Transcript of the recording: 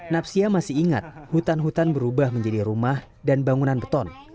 napsia masih ingat hutan hutan berubah menjadi rumah dan bangunan beton